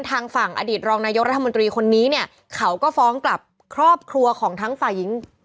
ทางฝั่งอดีตรองนายกรัฐมนตรีคนนี้เนี่ยเขาก็ฟ้องกลับครอบครัวของทั้งฝ่ายหญิง